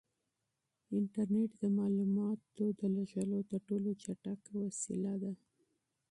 انټرنیټ د معلوماتو د تبادلې تر ټولو چټکه وسیله ده.